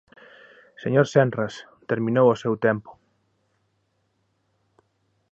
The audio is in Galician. Señor Senras, terminou o seu tempo.